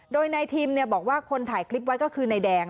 โดยนายทิมบอกว่าคนถ่ายคลิปไว้ก็คือนายแดง